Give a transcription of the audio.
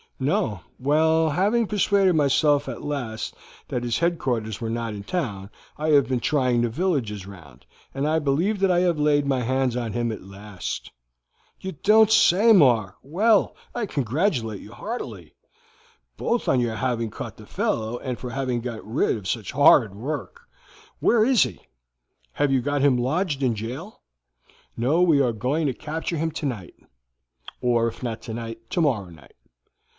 "No. Well, having persuaded myself at last that his headquarters were not in town, I have been trying the villages round, and I believe that I have laid my hands on him at last." "You don't say so, Mark! Well, I congratulate you heartily, both on your having caught the fellow and for having got rid of such horrid work. Where is he? Have you got him lodged in jail?" "No, we are going to capture him tonight; or if not tonight, tomorrow night.